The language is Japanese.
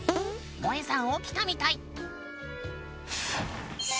もえさん起きたみたい。